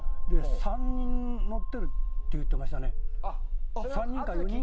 ３人か４人乗ってるって言ってましたね。